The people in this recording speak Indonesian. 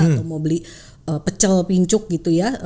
atau mau beli pecel pincuk gitu ya